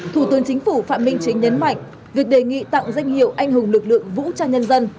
thủ tướng chính phủ phạm minh chính nhấn mạnh việc đề nghị tặng danh hiệu anh hùng lực lượng vũ trang nhân dân